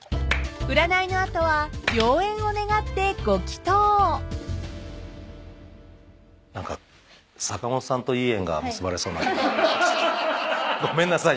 ［占いの後は良縁を願ってご祈祷］ごめんなさい。